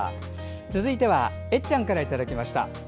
続いてはえっちゃんからいただきました。